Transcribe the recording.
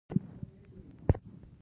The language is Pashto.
دوی تل ارزانه جامې اغوندي